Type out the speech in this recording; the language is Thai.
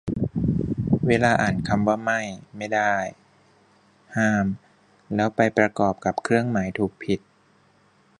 เวลาอ่านคำว่า "ไม่" "ไม่ได้" "ห้าม" แล้วไปประกอบกับเครื่องหมาย ถูก ผิด